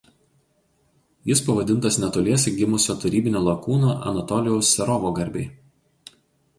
Jis pavadintas netoliese gimusio tarybinio lakūno Anatolijaus Serovo garbei.